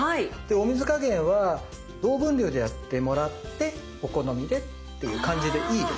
お水加減は同分量でやってもらってお好みでっていう感じでいいです。